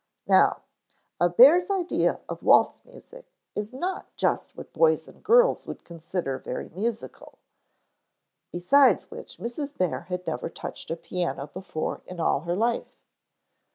Now a bear's idea of waltz music is not just what boys and girls would consider very musical; besides which Mrs. Bear had never touched a piano before in all her life.